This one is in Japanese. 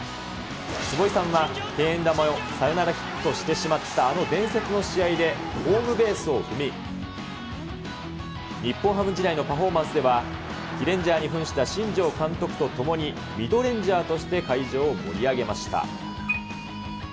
坪井さんは敬遠球をサヨナラヒットしてしまったあの伝説の試合でホームベースを踏み、日本ハム時代のパフォーマンスでは、キレンジャーにふんした新庄監督と共に、ミドレンジャーとして会場を盛り上げました。